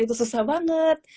itu susah banget